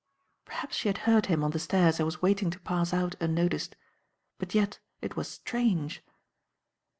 Perhaps she had heard him on the stairs and was waiting to pass out unnoticed. But yet it was strange.